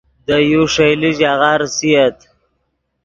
دے یو ݰئیلے ژاغہ ریسییت